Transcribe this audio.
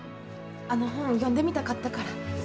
あの本読んでみたかったから。